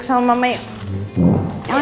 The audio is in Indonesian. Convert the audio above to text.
di sini duduk dengan mama